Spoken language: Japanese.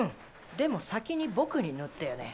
でも先に僕に塗ってよね。